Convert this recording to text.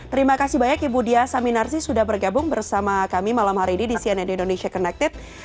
terima kasih banyak ibu dia saminarsi sudah bergabung bersama kami malam hari ini di cnn indonesia connected